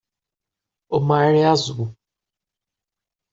O mar é azul.